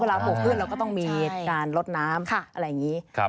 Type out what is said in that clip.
เพราะเวลาโปรดขึ้นเราก็ต้องมีการลดน้ำอะไรอย่างนี้